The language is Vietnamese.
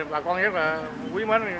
bà con rất là quý mến